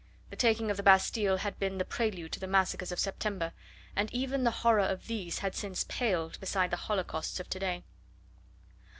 The taking of the Bastille had been the prelude to the massacres of September, and even the horror of these had since paled beside the holocausts of to day.